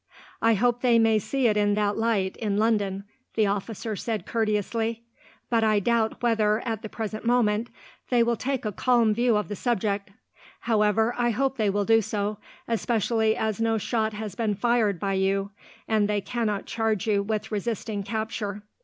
"I hope they may see it in that light, in London," the officer said courteously; "but I doubt whether, at the present moment, they will take a calm view of the subject. However, I hope they will do so, especially as no shot has been fired by you, and they cannot charge you with resisting capture.